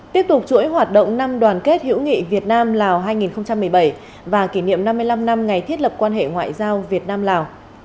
tiếp tục chuỗi hoạt động năm đoàn kết hữu nghị việt nam lào hai nghìn một mươi bảy và kỷ niệm năm mươi năm năm ngày thiết lập quan hệ ngoại giao việt nam lào